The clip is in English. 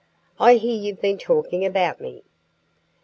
"I hear you've been talking about me."